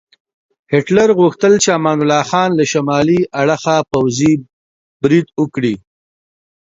هیټلر غوښتل چې امان الله خان له شمالي اړخه پوځي برید وکړي.